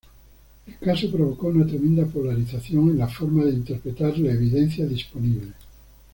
El caso provocó una tremenda polarización en la forma de interpretar la evidencia disponible.